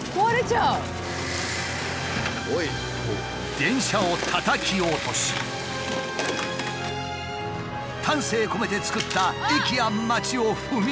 電車をたたき落とし丹精込めて作った駅や街を踏みつぶす。